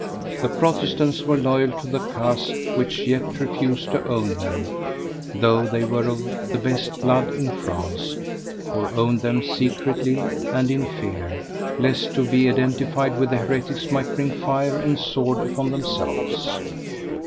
The Protestants were loyal to the caste which yet refused to own them, though they were of the best blood in France, or owned them secretly and in fear, lest to be identified with the heretics might bring fire and sword upon themselves.